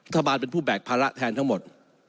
ทศเป็นผู้แบกภาระแทนทั้งหมด